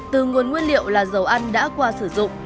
từ nguồn nguyên liệu là dầu ăn đã qua sử dụng